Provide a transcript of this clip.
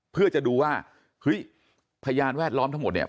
เพื่อจะดูว่าเฮ้ยพยานแวดล้อมทั้งหมดเนี่ย